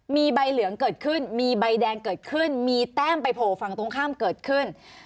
มีใบเหลืองเกิดขึ้นมีใบแดงเกิดขึ้นมีแต้มไปโผล่ฝั่งตรงข้ามเกิดขึ้น